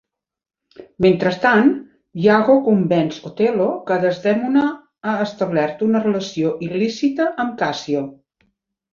Mentrestant, Iago convenç Othello que Desdemona ha establert una relació il·lícita amb Cassio.